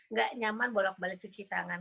nggak nyaman borok balik cuci tangan